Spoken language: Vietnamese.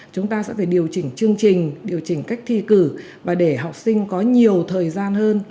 chúng ta sẽ phải điều chỉnh chương trình điều chỉnh cách thi cử và để học sinh có nhiều thời gian hơn